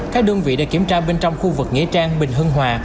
các đơn vị đã kiểm tra bên trong khu vực nghĩa trang bình hưng hòa